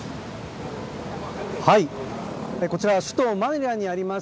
こちらは首都マニラにあります